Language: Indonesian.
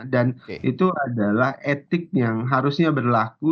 dan itu adalah etik yang harusnya berlaku